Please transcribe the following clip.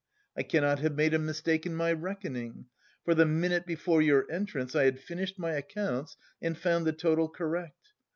I cannot have made a mistake in my reckoning, for the minute before your entrance I had finished my accounts and found the total correct.